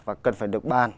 và cần phải được bàn